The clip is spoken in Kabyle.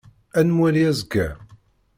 Ad nemwali azekka.